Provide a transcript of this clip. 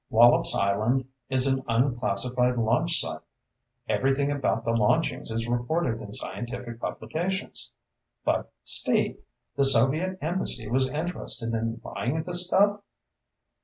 Wallops Island is an unclassified launch site. Everything about the launchings is reported in scientific publications! But, Steve, the Soviet Embassy was interested in buying the stuff!"